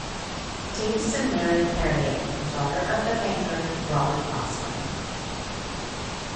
Davison married Harriett, daughter of the banker Robert Gosling.